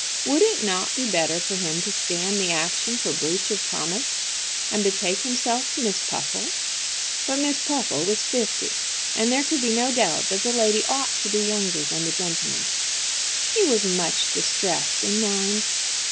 Would it not be better for him to stand the action for breach of promise, and betake himself to Miss Puffle? But Miss Puffle was fifty, and there could be no doubt that the lady ought to be younger than the gentleman. He was much distressed in mind.